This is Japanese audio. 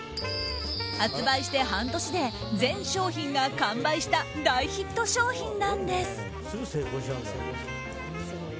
発売して半年で全商品が完売した大ヒット商品なんです。